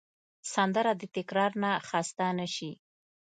سندره د تکرار نه خسته نه شي